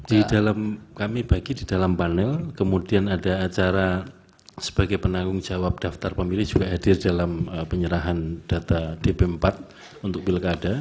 di dalam kami bagi di dalam panel kemudian ada acara sebagai penanggung jawab daftar pemilih juga hadir dalam penyerahan data dp empat untuk pilkada